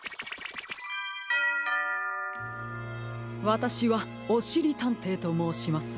わたしはおしりたんていともうします。